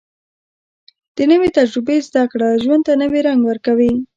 د نوې تجربې زده کړه ژوند ته نوې رنګ ورکوي